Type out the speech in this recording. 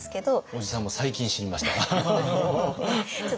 おじさんも最近知りました。